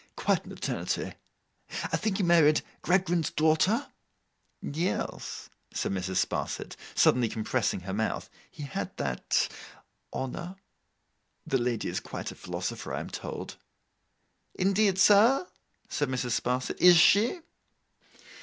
'Quite an eternity! I think he married Gradgrind's daughter?' 'Yes,' said Mrs. Sparsit, suddenly compressing her mouth, 'he had that—honour.' 'The lady is quite a philosopher, I am told?' 'Indeed, sir,' said Mrs. Sparsit. 'Is she?